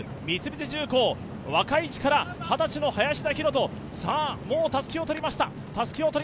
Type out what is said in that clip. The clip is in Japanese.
三菱重工、若い力、はたちの林田洋翔もうたすきを取りました。